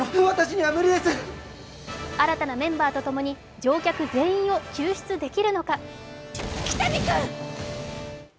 新たなメンバーとともに乗客全員を救出できるのか。